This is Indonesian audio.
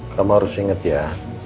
kamu harus inget ya